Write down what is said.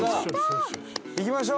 行きましょう。